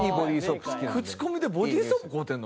口コミでボディーソープ買うてんの？